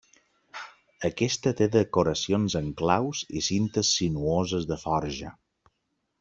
Aquesta té decoracions amb claus i cintes sinuoses de forja.